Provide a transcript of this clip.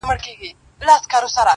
او پر ښکلې نوراني ږیره به توی کړي!.